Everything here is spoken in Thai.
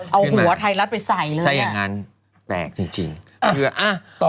เอาหัวไทรัสไปใส่เลยแหละแปลกจริงคืออ่ะ